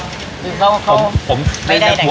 คือเขาก็ไม่ได้ใดใจ